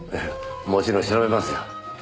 もちろん調べますよ。